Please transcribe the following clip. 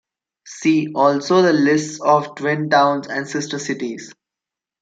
See also the lists of twin towns and sister cities.